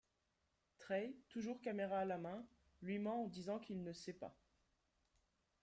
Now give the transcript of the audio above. Trey, toujours caméra à la main, lui ment en disant qu'il ne sait pas.